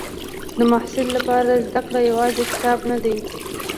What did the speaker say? د محصل لپاره زده کړه یوازې کتاب نه ده.